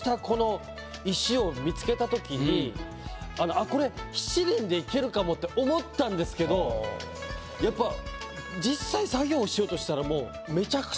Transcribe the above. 見つけたときにあっこれ。って思ったんですけどやっぱ実際作業しようとしたらもう。